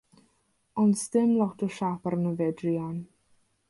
Ond 's dim lot o siâp arno fe, druan.